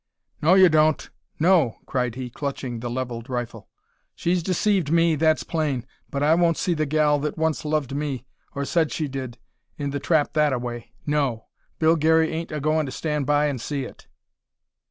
"No, yer don't! No!" cried he, clutching the levelled rifle; "she's deceived me, that's plain, but I won't see the gal that once loved me, or said she did, in the trap that a way. No! Bill Garey ain't a goin' to stand by and see it."